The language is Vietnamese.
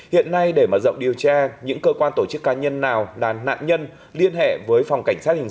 hiện nay để mở rộng điều tra những cơ quan tổ chức cá nhân nào là nạn nhân liên hệ với phòng cảnh sát hình